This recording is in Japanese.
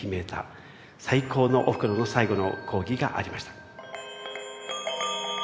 最高のおふくろの最後の講義がありました。